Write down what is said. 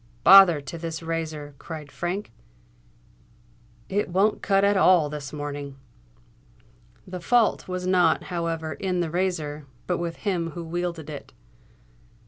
"Bother to this razor!" cried Frank: "it won't cut at all this morning!" The fault was not, however, in the razor, but with him who wielded it.